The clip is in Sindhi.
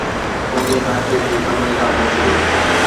منهنجي ناشتي کي ڪمري ڏانهن موڪليو